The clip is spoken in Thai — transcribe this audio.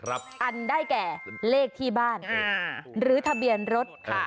อันได้แก่เลขที่บ้านหรือทะเบียนรถค่ะ